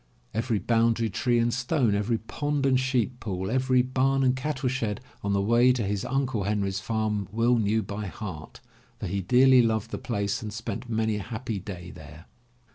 Every boundary tree and stone, every pond and sheep pool, every bam and cattleshed on the way to his Uncle Henry's farm Will knew by heart, for he dearly loved the place and spent many a happy day there.